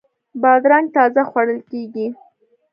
بادرنګ تازه خوړل کیږي.